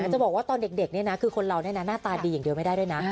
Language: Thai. จะบอกว่าตอนเด็กนี่นะคือคนเราหน้าตาดีอย่างเดียวไม่ได้ด้วยนะ